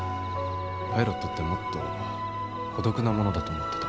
パイロットってもっと孤独なものだと思ってた。